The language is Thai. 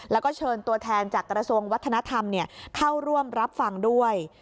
แล้วก็เชิญตัวแทนจากกระทรวงวัฒนธรรมเข้าร่วมรับฟังด้วย